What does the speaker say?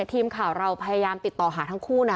ทีมข่าวเราพยายามติดต่อหาทั้งคู่นะ